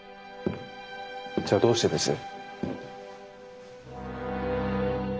じゃあどうしてです？